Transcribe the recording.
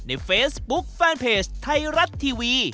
ในเฟซบุ๊คแฟนเพจไทยรัฐทีวี